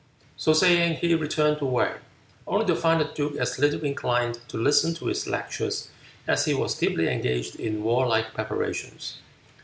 So saying he returned to Wei, only to find the duke as little inclined to listen to his lectures, as he was deeply engaged in warlike preparations.